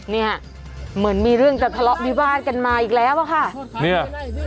เนี่ยเหมือนมีเรื่องจะทะเลาะวิวาดกันมาอีกแล้วอะค่ะเนี่ย